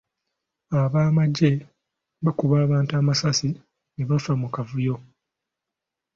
Ab'amagye bakuba abantu amasasi ne bafa mu kavuyo.